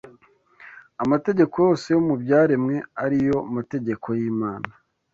Amategeko yose yo mu byaremwe, ari yo mategeko y’Imana,